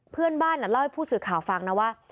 เพื่อนบ้านเล่าให้ผู้สื่อข่าวฟังนะว่า